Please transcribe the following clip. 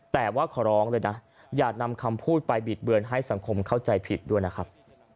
แต่ว่าขอร้องเลยนะอย่านำคำพูดไปบิดเบือนให้สังคมเข้าใจผิดด้วยนะครับ